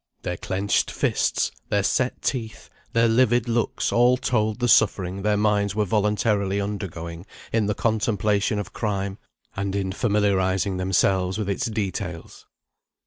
Their clenched fists, their set teeth, their livid looks, all told the suffering their minds were voluntarily undergoing in the contemplation of crime, and in familiarising themselves with its details.